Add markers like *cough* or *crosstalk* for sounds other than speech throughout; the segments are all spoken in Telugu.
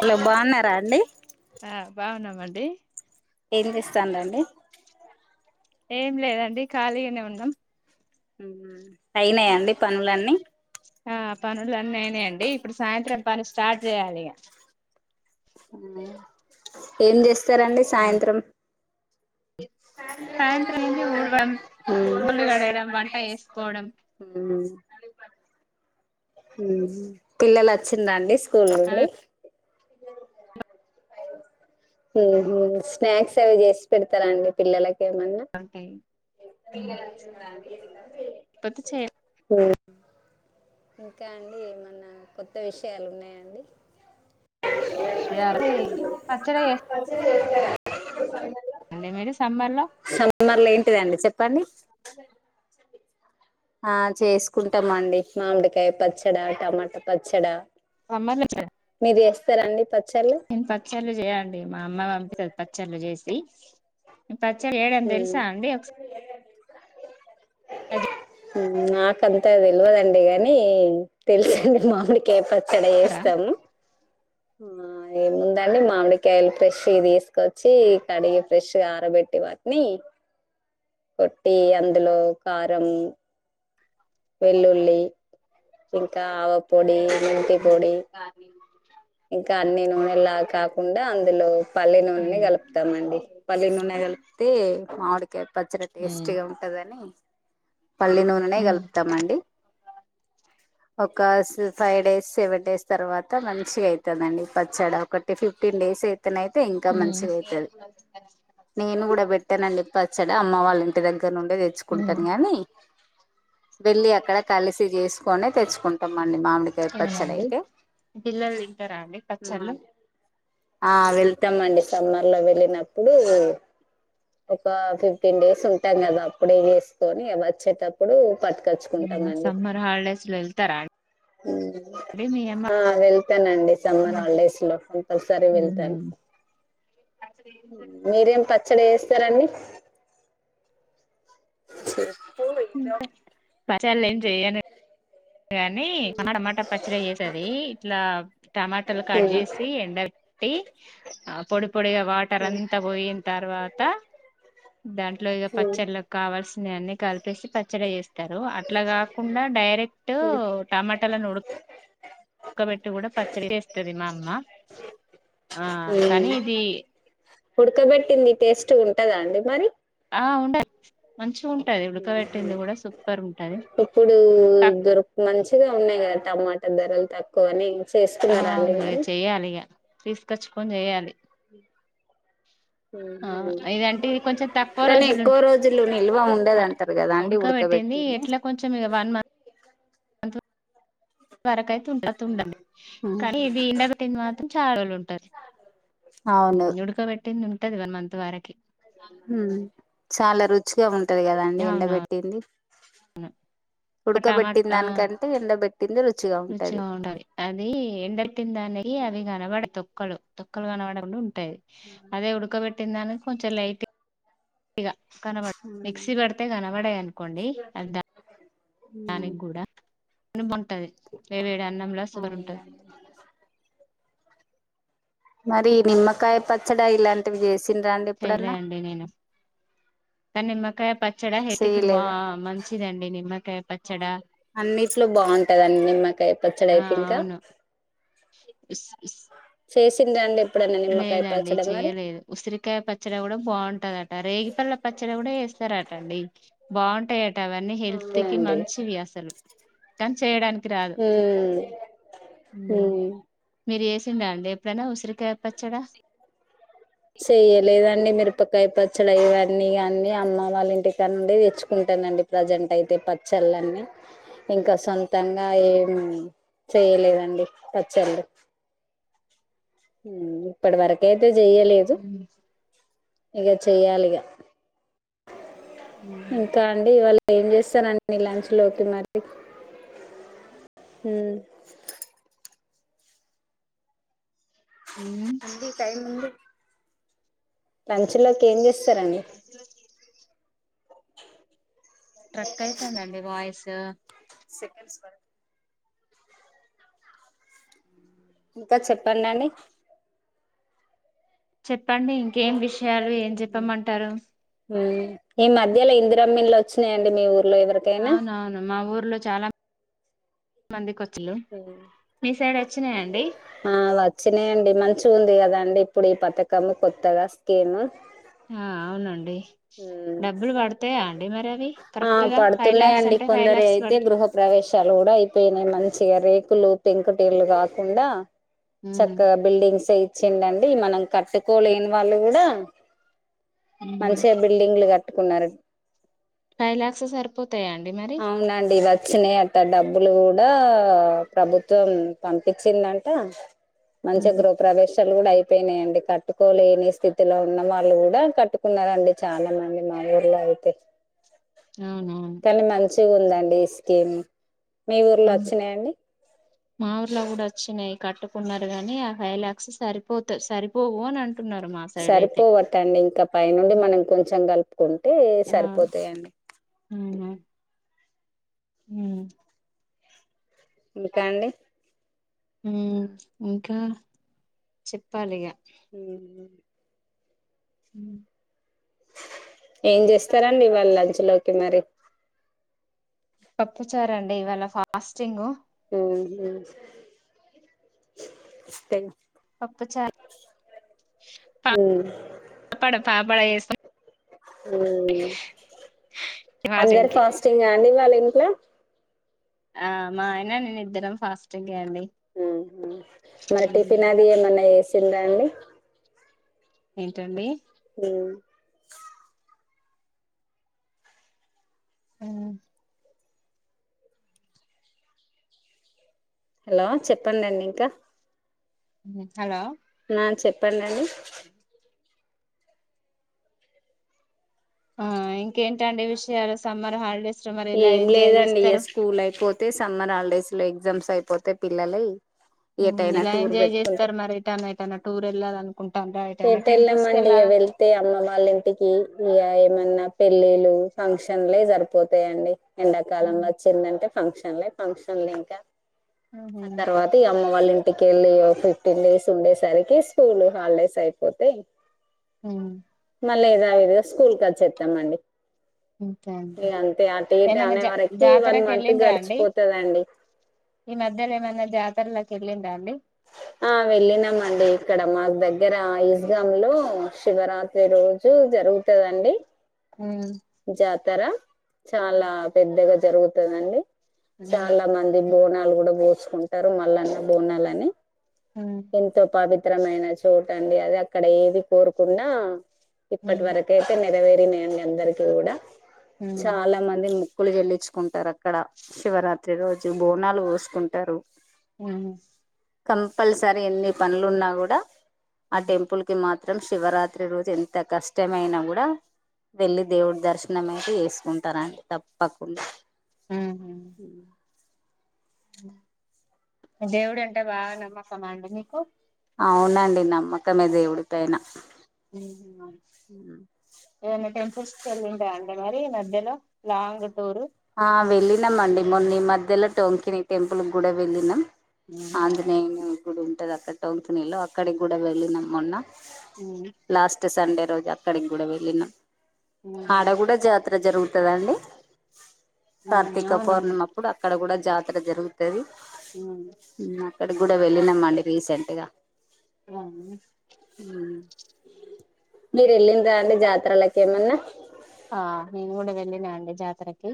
హలో బాగున్నారా అండి. ఆ బాగున్నామండి ఏం చేస్తన్నరండి ఏం లేదండి ఖాళీగానే ఉన్నాం. ఉహ్ హు అయినాయండి పనులన్నీ ఆహ్ పనులు ఐ నేనే అండి ఇప్పుడు. సాయంత్రం పని స్టార్ట్ చేయాలి ఇగా ఏం చేస్తారండి. సాయంత్రం సాయంత్రం అయింది. ఊడవడం, బొల్లు కడగడం, వంట చేసుకోవడం. ఉహ్మ్ హు పిల్లలు వచ్చిలాఅండి స్కూల్ అవే నుండి ఉహ్ హు స్నాక్స్ అవి చేసి పెడతారండి పిల్లలక్ పతేట్చే ఇంకా అండి ఏమన్నా కొత్త విషయాలు ఉన్నాయండి. విషయాలే పచ్చడ చేస్ సమ్మర్ లో *unintelligible* సమ్మర్ లో ఏంటిదండి సేప్ పని ఆ చేసుకుంటాం అండి. మామిడికాయ పచ్చడ, టమాటా పచ్చడ. మా అమ్మామ్ ఇచార్ మీరు చేస్తారాఅండి నేను పచ్చళ్లు చేయా అండి. మా అమ్మ పంపింది పచ్చళ్ళు చేసి. పచ్చడ చేయడం తెలుసా అండి. ఓక్ హ్ నాకంతా తెలువదండి కానీ తెలుసండి మామిడికాయ ప చ్చడ చెప్తారా చేస్తం. ఆ ఏముందండి మామిడికాయలు ఫ్రెష్వి తీసుకొచ్చి కడిగి ఫ్రెష్గా ఆరబెట్టి వాటిని కొట్టి అందులో కారం వెళ్లుల్లి ఇంకా ఆవ పొడి, మెంతి పొడి ఇంకా నీళ్లు ఇంకా అన్ని నూనెళ్ళ కాకుండా అందులో పల్లి నూనెనే అవునండి కలుపుతమండి. పల్లి నూనె కలిపితే మావిడికాయలు. పచ్చడా టేస్ట్ గా ఉంటదని పల్లి నూనెనే కలుపుతమండి. ఒక ఫైవ్ డేస్, సెవెన్ డేస్ తర్వాత మంచిగా అయి తదండి పచ్చాడా. ఒకటి ఫిఫ్టీన్ డేస్ అయి అత్తనయితే ఇంకా మంచిగా అయితది. నేను కూడా పెట్టానండి. పచ్చడ అమ్మ వాళ్ళ ఇంటి దగ్గ అక్కడ నుండే తెచ్చుకుంటను గానీ వెళ్ళి అక్కడ కలిసి చేసు కొనే తెచ్చుకుంటము అ ండి మామిడికాయి అవునండి పచ్చడయితే. పిల్లలు తింటారా అండి పచ్చల్లు. ఆ వెల్ తము అండి సమ్మర్ లో వెళ్ళినప్పుడు ఒక ఫిఫ్టీ ఫిఫ్టీన్ డేస్ ఉంటాం కదా అప్పుడే చేసుకొని అ వచ్చేటప్పుడు పట్టుకచ్చుకుంటమండి. సమ్మర్ హాలిడేస్ లో వెళ్తారా అండి మీ అమ్మ ఆ వెల్తన్ అండి. సమ్మర్ హాలిడేస్ లో కంపల్సరీ ఉహు వెళ్తాను. హ్ మీరేం పచ్చడి చేస్తరండి. ఇంకా పచ్చల్లు ఎంచేయను. గాని టమాటా పచ్చడ చేసేది ఇట్లా టమాటాలు కట్ ఉమ్. చేసి ఎండ పెట్టి ఆ పొడులు ఇప్పుడు ఇగా వాటర్ అంతా పోయిన తర్వాత దాంట్లో ఇగ ఉమ్. పచ్చళ్ళకు కావాల్సి ఇగ అన్ని కలిపేసి పచ్చడ చేస్తారు. అట్లా కాకుండా డై టు ఉమ్. టమాటాలలను ఉడ ఉడకబెట్టి కూడా పచ్చడి చేస్తుంది మా అమ్మ ఆ కానీ ఇది ఉడకబెట్టింది టేస్ట్గా ఉంటదా అండి మరి ఆ ఉండద్ ఇదే మంచిగా ఉంట ఇప్పుడు కాక్ దొరక మంచిగా ఉన్నాయి కదా టమాటర్ దధరల్ తక్కువని ఆ చేసుకున్నారా అండి అవును మరి చెయ్యాలి ఇగ తీసుకొచ్చుకొని చేయాలి ఆ ఇదంటే ఇది కొంచెం తక్కువ కానీ రోజులు ఎక్కువ ఉంట రోజులు నిల్వ ఆ, ఉండేదంటారు కదా అండి ఉడకబెట్టింది ఎట్లా కొంచెం ఇగ వరక అయితే ఉంట ఉండంది కా దీండా పెట్టింది మాత్రం చాలా రోజుల్ ఉంటారు అవును ఉడకబెట్టింది ఉంటు ఉంటది వన్ మంత్ వారికి హుమ్ చాలా రుచిగా ఉంటుంది ఉంటది కదండి ఎండ అవునవును పెట్టింది ఒక టమాట ఉడకబెట్టిన ఆ దానికంటే ఎండబెట్టి రుచిగా ఉంటది అది ఎండట్టిన దానికి అవి కనబడయి తొక్కలు తొక్కలుగనపడడుమ్ తే అదే ఉడుక పెట్ట తిన్ద కొంచెం లైట్ ఇగ కనబడ మిక్సీ పడితే కనబడయి అనుకోండి అది ఉమ్ అని బంటది వేవేడి అన్నంలో సువరు ఉంటది అవునండి మరి నిమ్మకాయ పచ్చడి ఇలాంటివి చేసి చెయలే అండి నేను కా నిమ్మకాయ పచ్చడా హేతికి బా చేయలేదా మంచిదండి నిమ్మకాయ పచ్చడా అన్నిట్లో బాగుంటదండి నిమ్మకాయ పచ్చడి అయితే ఇంకా ఇ చేసిందండి లేదండి చెయలేదు ఉసిరికాయ పచ్చడి కూడా బాగుంటదట రేగిపల్ల పచ్చడి కూడా వేస్త స్తారాటండి బాగుంటాయి అవన్నీ హెల్త్ అవునా కి అండి మంచివి అసలు కానీ చేయడానికి రాదు ఉమ్ ఉమ్ మీరు ఏసిండ్ర అండి ఎప్పుడైనా ఉసిరికా పచ్చడా చెయ్యలేదండి మీర్ ఉప్పకాయ పచ్చడి ఇవన్నీ కాన్నీ అమ్మ వాళ్ళ ఇంటికాని నుండి తెచ్చుకుంటానండి ప్రజెంట్ అయితే పచ్చళ్ళన్నీ ఇంకా సొంతంగా ఏం చేయలేదండి పచ్చళ్ళు ఇప్పటి వరకే తే చెయలేదు ఉమ్ ఇగ చెయాలిగ ఇంకా ఉమ్. అండి ఇవాళ ఏం చేస్తారండీ లంచ్ లోకి మరి హమ్ ఉమ్. ఉంది టైమ్ ఉంది లంచ్ లోకి ఏం చే ఇస్తరండి స్ట్రక్ఐతుంద్దండి వాయిస్ సెకండ్స్ స్వర్ ఇంకా చెప్పాండండి చెప్పండి ఇంకేం విషయాలు ఏం చెప్పమంటారు మ్మ్ ఈ మధ్యలో ఇంద్రం ఇల్లు వచ్చినాయండి మీ ఊర్ అవును అవును మా ఊర్ ఊళ్ళో చాలా మందికి వచ్ అ వచ్చినాయండి మంచి ఉంది ఉంది కదండి ఇప్పుడు ఈ పథకము కొత్తగ స్కీమ్ ఆ అవునండి హమ్ డబ్బులు పడతాయా అండి మరి అవి ఆ కరెక్ట్ గా ఫైవ్ లాక్స్ పడుతున్నాయండి అంటే ఫైవ్ కొందరు లాక్స్ అయితే పడుత గృహ ప్రవేశాలు కూడా అయి పోయినా మంచిగ రేకులు టెన్కుటేళ్లు కాకుండ చక్కగా బిల్డింగ్ సై చిండండి మనం కట్టుకోలేని వాళ్ళు కూడా మంచి చే బిల్డింగ్లు కట్టుకున్నారు ఫైలాక్స్ సర్ అవునండి వచ్చినయి డబ్బులు కూడా ప్రభుత్వం పంపించిందంట మంచిగా గృహప్రావేశాలు కూడ అయిపోయినాయండి కట్టు కోలేని స్థితిలో ఉన్న వాళ్ళు కూడా కట్టుకున్నారండి చాలా మంది మా ఊర్లో అయితే అవునుఅవును కానీ మంచిగా ఉందండి ఈ స్కీమ్ మీ ఊర్లో వచ్చినాయండి. మా ఊర్లో కూడా వచ్చినయి కట్టుకున్నారు. కాని ఆ ఫైవ్ లాక్స్ సరిపోతా సరిపోవు అని అంట సరిపోవటండి. ఇంకా పైనుండి మనం కొంచెం కలుపుం కొంటె ఆ సరిపోతాయండి. అవునా హు ఇంకా అండి. హు ఇంకా చెప్పాలిగా హు ఏం చేస్తారండి ఇవాళ లంచ్ లోకి మరి పప్పుచారండి ఇవాళ ఫాస్టింగ్. ఊ హ *unintelligible* పప్పచారు పా పాపడ, పాపడ చెసి ఊ అందరు ఫాస్టింగ్ అండి ఇవాళ ఇంట్లో. ఆ మా ఆయన నేను ఇద్దరం ఫాస్టింగ్ అండి ఊ హు టిఫిన్ ఆది ఏమైనా చేసి తిందా అండి ఏంటండి ఊ *unintelligible* ఆ హలో చెప్పడిండి ఇంకా హలో నా చెప్పండిండి ఆ ఇంకేంటండి విషయాలు సమ్మర్ హాలిడేస్ లో మరి ఎలా ఏం ఎంజాయ్ లేదండి ఏ చేస్తారు స్కూల్ అయిపోతే సమ్మర్ హాలిడేస్ లో ఎగ్జామ్స్ అయిపోతే పిల్లలు ఊ ఇలా ఎంజాయ్ చేస్తారు మరి ఎటైనా, ఎటైనా టూర్ వెళ్ళాలినుకుంటు ఎట వెళ్ళామండి ఇక వెళ్తే అమ్మ వాళ్ళ ఇంటికి ఇక మన్నా పిల్లేలు ఫంక్షన్లే సరిపోతాయండి ఎండాకాలంలో వచ్చిందంటే ఫంక్షన్. ఫంక్షన్లే, ఫంక్షన్లు ఇంకా ఆ తర్వాత ఈ అమ్మ వాళ్ళ ఇంటికి వెళ్ళి. ఫిఫ్టీన్ డేస్ ఉండే సరికి స్కూల్ హాలిడేస్ పోతేయి మళ్ళీ దావిధగా స్కూల్ క వచ్చేస్తామండి అంతే అండి ఇగా అంతే అ ఏమన్నా అనే జా వరకి వన్ జాతరకి మంత్ వెళ్ళిండ్రా అండి గడిచిపోతుందండి ల కలింద వెళ్లిందా అండి ఆ వెళ్ళినామండి ఇక్కడ మాకు దగ్గర ఇస్గామ్ లో శివరాత్రి రోజు జరుగుతుందండి ఉమ్ జాతర చాలా పెద్దగా జరుగుతుందండి చాలా మంది బోనా కూడా పోసుుకుండి మళ్లన్న బోనాలని ఎంతో పవిత్రమైన చోటు ఆండి అది అక్కడ ఏది కోరుకున్నా ఇప్పట్ వరకు అయితే నెరవేరిన అండి అందరిక్ కొడా చాలా మంది మొక్కులు చెల్లించు కుంటార ఆ ఇక్కడ శివరాత్ ప్రతి రోజు బోనాలు పోసుకుంటారు కంపల్సరీ ఎన్ని పనులున్నా కూడా ఆ టెంపుల్ కి మాత్ త్రం శివరాత్రి రోజు ఎంత కష్టమైన కూడా వెళ్ళి దేవున్ దర్శనం ఐతే చేసుకుంట్ అంటా రాండి తప్పకుండా ఉ ఉమ్ దేవుడే టీ బాగా నమ్మకం అండి మీ కు అవునండి నమ్మకమే దేవుడిపైన హూ హూ ఏమైనా టెంపుల్స్ కెళ్ళిండ్ర అండి మరి మధ్యలో లాంగ్ టూరు ఆ వెళ్ళినాంమండి మొన్నీ మధ్యలో టోంకిని టెంపుల్ కూడ వెళ్ళినం ఆంజనేయుని కూడ ఉంటది అక్కడ టోంకినీ లో అక్కడికి కూడ వెళ్ళినం మొన్న లాస్ట్ సండే రోజు అక్కడకి కూడ వెళ్లినం ఆడ గూడ జాతర జరుగుతద అండి కార్తీక అవునవును పౌర్ణిమప్పుడు అక్కడ కూడ జాతర జరుగుతది వును అక్కడకి గూడ వెళ్ళినం అండి రీసెంట్ గా మ్ మీర్ ఎల్లిండ్రా అండి జాతరలకి ఏమన్నా ఆ నేను కూడ వెళ్ళినా అండి జాతరక్ కా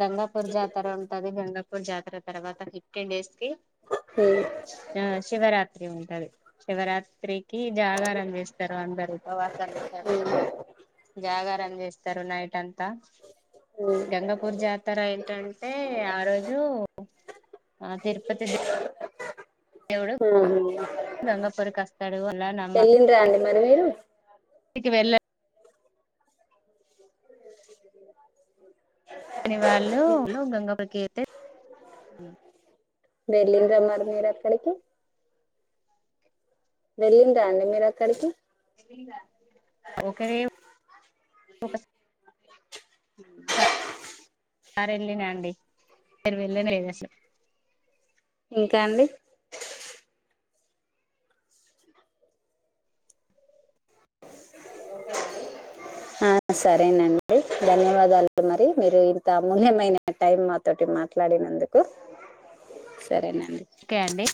గంగాపూర్ జాతర ఉంటది గంగ ఇ జాతర తర్వాత ఫిఫ్టీన్ డేస్ కి అ శివరాత్రి ఉం అది శివరాత్రి కి జాగారం చేస్తారు అందరు ఉపవాసాలు ఉంటారు జాగర చేస్తారు నైట్ అంతా గంగాపూర్ జాతర ఏంటంటే ఆ రోజు ఆ తిరుపతి దేవుడు ఆ గంగపూరికి వస్తాడు అలా వెళ్ళండ్రా అండి మరి మీరు ఇంటికి వెళ్ళ శని వాళ్ళ గంగ ప్రకి అయితే బర్లింద్ర మ మీర అక్కడకి వెళ్ళిండ్రా అండి మీరు అక్కడికి వీళ్ళ ఓకరే ఫోకస్ మ్మ్ *unintelligible* అండి ఐదు వేలన్న వేసేస్త ఇంకా అండి ఆ సరేనండి ధన్యవాదాలు మరి మీరు ఇంత అమూల్యమైన టైం మాతోటి మాట్లాడినందుకు సరేన ఒకే అండి